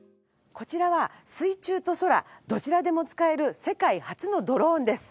こちらは水中と空どちらでも使える世界初のドローンです。